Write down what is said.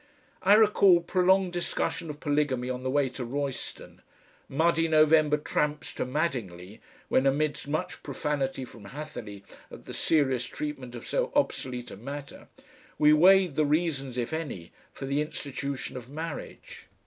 I recall prolonged discussion of polygamy on the way to Royston, muddy November tramps to Madingley, when amidst much profanity from Hatherleigh at the serious treatment of so obsolete a matter, we weighed the reasons, if any, for the institution of marriage.